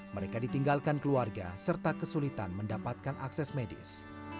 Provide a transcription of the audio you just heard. mereka ditinggalkan keluarga serta kesulitan mendapatkan akses medis